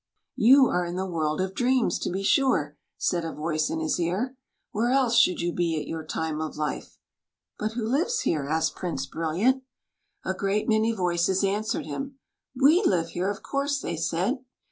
" You are in the world of dreams, to be sure/' said a voice in his ear. " Where else should you be at your time of life ?"'' But who lives here ?" asked Prince Brilliant. A great many voices answered him. " ^e live here, of course," they said.